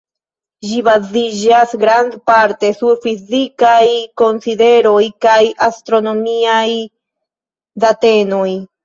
Ĝi baziĝas grandparte sur fizikaj konsideroj kaj astronomiaj datenoj.